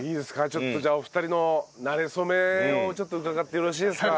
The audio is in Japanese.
ちょっとじゃあお二人のなれ初めをちょっと伺ってよろしいですか？